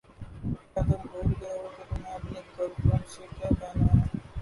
کیا تم بھول گئے ہو کہ تمہیں اپنی گرل فرینڈ سے کیا کہنا ہے؟